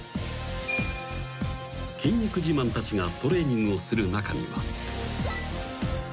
［筋肉自慢たちがトレーニングをする中には］